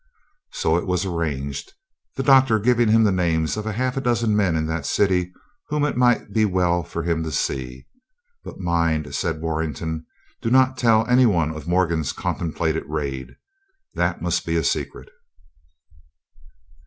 So it was arranged, the Doctor giving him the names of half a dozen men in that city whom it might be well for him to see. "But mind," said Warrenton, "do not tell any one of Morgan's contemplated raid. That must be a secret."